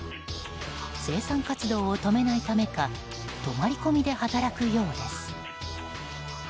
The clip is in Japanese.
生産活動を止めないためか泊まり込みで働くようです。